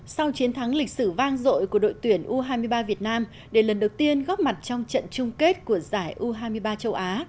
sau chiến thắng lịch sử vang dội của đội tuyển u hai mươi ba việt nam để lần đầu tiên góp mặt trong trận chung kết của giải u hai mươi ba châu á